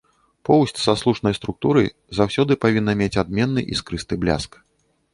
Поўсць са слушнай структурай заўсёды павінна мець адменны іскрысты бляск.